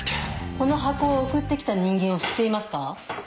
この箱を送って来た人間を知っていますか？